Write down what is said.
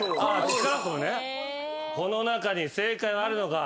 この中に正解はあるのか？